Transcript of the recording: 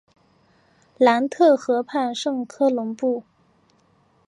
盖特河畔圣科隆布。